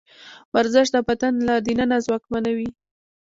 ورزش د بدن له دننه ځواکمنوي.